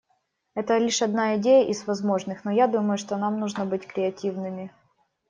Это лишь одна идея из возможных, но я думаю, что нам нужно быть креативными.